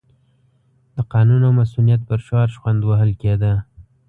د قانون او مصونیت پر شعار شخوند وهل کېده.